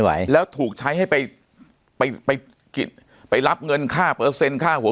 ไหวแล้วถูกใช้ให้ไปไปรับเงินค่าเปอร์เซ็นต์ค่าหัว